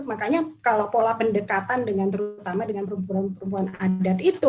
makanya kalau pola pendekatan dengan terutama dengan perempuan perempuan adat itu